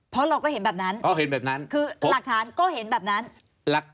เพราะเราก็เห็นแบบนั้นคือหลักฐานก็เห็นแบบนั้น